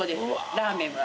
ラーメンは。